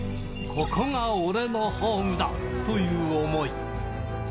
ここが俺のホームだという思い。